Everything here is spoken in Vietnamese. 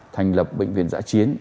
thành lập bệnh viện giã chiến